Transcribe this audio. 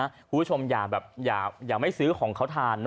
คุณผู้ชมอย่าไม่ซื้อของเขาทาน